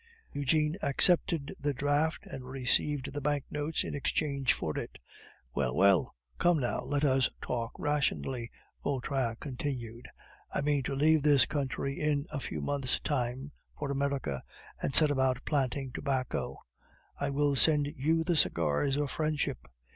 Eugene accepted the draft, and received the banknotes in exchange for it. "Well, well. Come, now, let us talk rationally," Vautrin continued. "I mean to leave this country in a few months' time for America, and set about planting tobacco. I will send you the cigars of friendship.